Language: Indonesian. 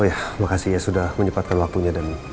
oh ya makasih ya sudah menyebatkan waktunya dan